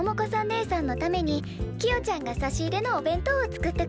ねえさんのためにキヨちゃんが差し入れのお弁当を作ってくれました。